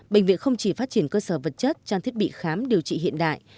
bệnh viện không chỉ phát triển cơ sở vật chất trang thiết bị khám điều trị hiện đại